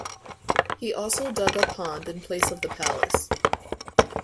He also dug a pond in place of the palace.